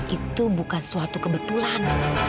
itu bukan suatu kebetulan